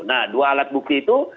nah dua alat bukti itu